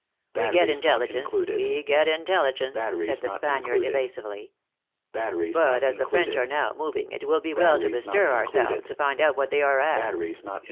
" We get intelligence we get intelligence," said, the Spaniard evasively. " But as the French are now moving, it w T ill be well to bestir ourselves, to find out what they are at."